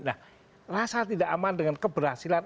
nah rasa tidak aman dengan keberhasilan